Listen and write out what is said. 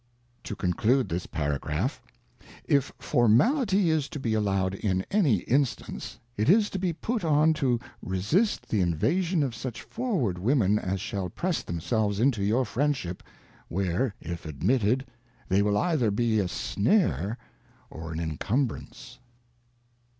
To conclude this Paragraph ; If Formality is to be allowed in any Instance, it is to be put on to resist the Invasion of such forward Women as shall press themselves into your Friendship, where if admitted, they will either be a Snare or an Incumbrance.